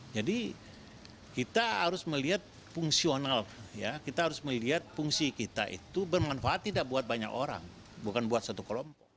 jadi kita harus melihat fungsional kita harus melihat fungsi kita itu bermanfaat tidak buat banyak orang bukan buat satu kolom